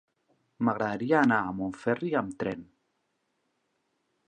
M'agradaria anar a Montferri amb tren.